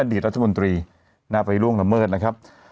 อดีตมนตรีนะไปล่วงละเมิดนะครับ